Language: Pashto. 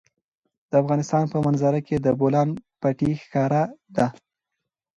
د افغانستان په منظره کې د بولان پټي ښکاره ده.